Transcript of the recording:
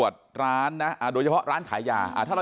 ใช่ค่ะ